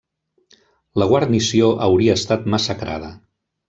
La guarnició hauria estat massacrada.